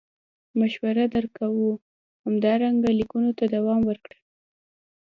مشوره در کوو همدارنګه لیکنو ته دوام ورکړه.